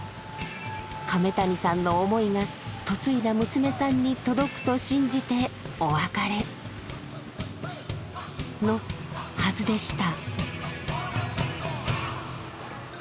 亀谷さんの思いが嫁いだ娘さんに届くと信じてお別れのはずでした。